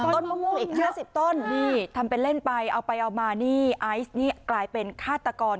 ต้นมะม่วงอีก๕๐ต้นนี่ทำเป็นเล่นไปเอาไปเอามานี่ไอซ์นี่กลายเป็นฆาตกร